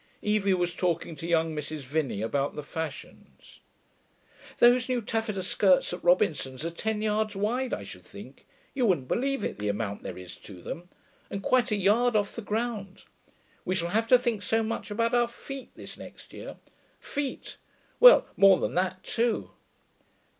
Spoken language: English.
Evie was talking to young Mrs. Vinney about the fashions. 'Those new taffeta skirts at Robinson's are ten yards wide, I should think. You wouldn't believe it, the amount there is to them. And quite a yard off the ground. We shall have to think so much about our feet this next year. Feet well, more than that, too!'